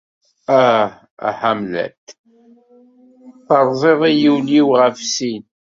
Ah, a Hamlet, terẓiḍ-i ul-iw ɣef sin.